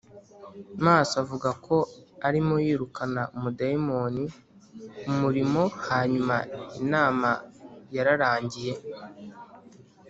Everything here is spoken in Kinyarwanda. maso avuga ko arimo yirukana umudayimoni umurimo Hanyuma inama yararangiye